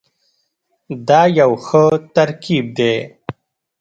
دا یو ښه ترکیب دی.